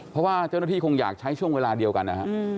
เพราะว่าเจ้าหน้าที่คงอยากใช้ช่วงเวลาเดียวกันนะฮะ